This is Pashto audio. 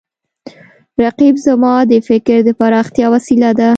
رقیب زما د فکر د پراختیا وسیله ده